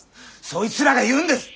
そいつらが言うんです